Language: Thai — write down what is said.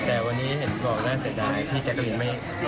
แต่วันนี้เห็นบอกน่าเสียดายพี่แจ๊กรีนไม่